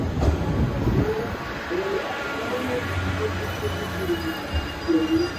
Estas líneas de productos no están afiliadas con Jones.